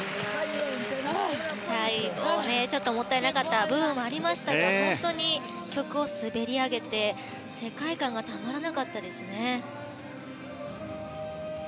最後、ちょっともったいなかった部分もありましたが本当に曲を滑り上げて世界観がたまらなかったですね。